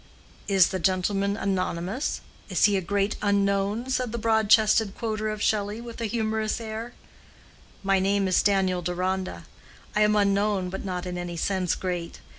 "Is the gentlemen anonymous? Is he a Great Unknown?" said the broad chested quoter of Shelley, with a humorous air. "My name is Daniel Deronda. I am unknown, but not in any sense great."